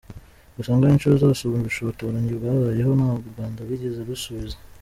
Gusa ngo inshuro zose ubu bushotoranyi bwabayeho, ntabwo u Rwanda rwigeze rusubiza.